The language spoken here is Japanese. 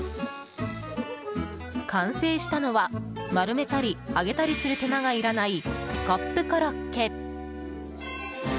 完成したのは丸めたり揚げたりする手間がいらないスコップコロッケ。